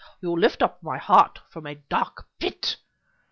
"You lift up my heart from a dark pit!"